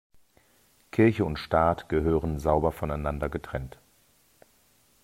Kirche und Staat gehören sauber voneinander getrennt.